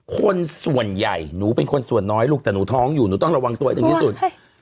คนส่วนใหญ่หนูเป็นคนส่วนน้อยลูกแต่หนูท้องอยู่หนูต้องระวังตัวให้ถึงที่สุด